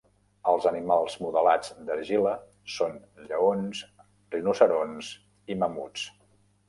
Els animals modelats d'argila són lleons, rinoceronts i mamuts.